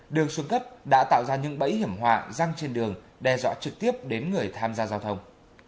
đường xuân cấp đã tạo ra những bẫy hiểm họa răng trên đường đe dọa trực tiếp đến người tham gia giao thông